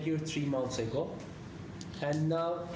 keluarga terakhir datang tiga bulan lalu